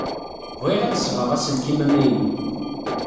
Bɣiɣ ad d-sɣeɣ aselkim amaynu.